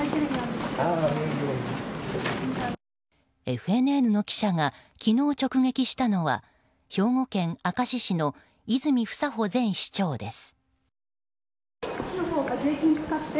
ＦＮＮの記者が昨日、直撃したのは兵庫県明石市の泉房穂前市長です。